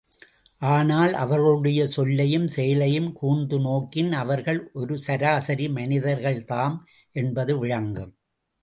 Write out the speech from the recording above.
ஆனால் அவர்களுடைய சொல்லையும் செயலையும் கூர்ந்து நோக்கின் அவர்கள் ஒரு சராசரி மனிதர்கள்தாம் என்பது விளங்கும்!